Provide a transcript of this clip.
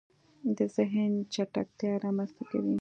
د زهن چټکتیا رامنځته کوي